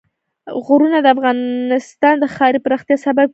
غرونه د افغانستان د ښاري پراختیا سبب کېږي.